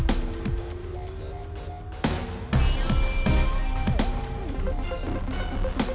astaga pakai curb velvet lagi segar lagi